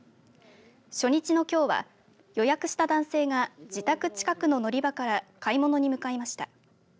初日のきょうは予約した男性が自宅近くの乗り場から買い物に向かいました。